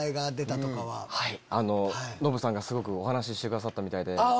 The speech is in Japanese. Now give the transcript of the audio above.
ノブさんがすごくお話ししてくださったみたいで。